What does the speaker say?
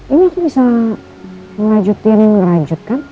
ini aku bisa ngelajutin dan ngerajutkan